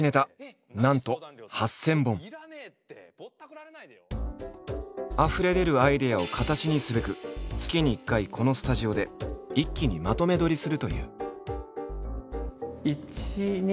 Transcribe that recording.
現在のあふれ出るアイデアを形にすべく月に１回このスタジオで一気にまとめ撮りするという。